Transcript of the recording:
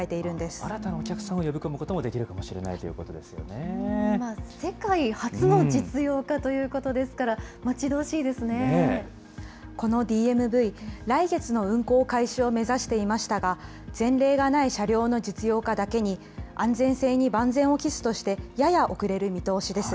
新たなお客さんを呼び込むこともできるかもしれないというこ世界初の実用化ということでこのＤＭＶ、来月の運行開始を目指していましたが、前例がない車両の実用化だけに、安全性に万全を期すとして、やや遅れる見通しです。